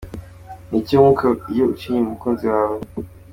Niki wunguka iyo uciye inyuma umukunzi wawe ?.